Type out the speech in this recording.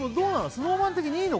ＳｎｏｗＭａｎ的にいいの？